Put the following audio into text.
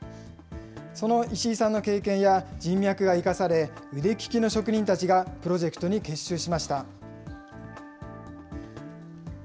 その石井さんの経験や、人脈が生かされ、腕利きの職人たちがプロジェクトに結集しました。